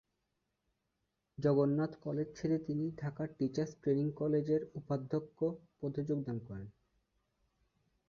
Jagannath college ছেড়ে তিনি ঢাকার টিচার্স ট্রেনিং কলেজের উপাধ্যক্ষ পদে যোগদান করেন।